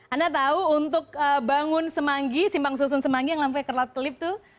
anda tahu untuk bangun semanggi simpang susun semanggi yang lampunya kerlat kelip tuh